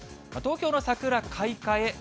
東京の桜開花へ。